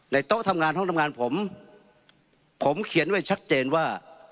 โต๊ะทำงานห้องทำงานผมผมเขียนไว้ชัดเจนว่า